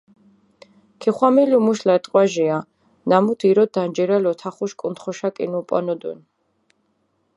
ქიხვამილუ მუშ ლატყვაჟია, ნამუთ ირო დანჯირალ ოთახუშ კუნთხუშა კინუპონუდუნ.